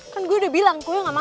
kan gue udah bilang gue gak mau